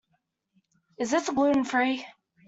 Is this gluten-free?